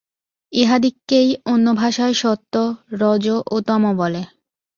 ইহাদিগকেই অন্য ভাষায় সত্ত্ব, রজ ও তম বলে।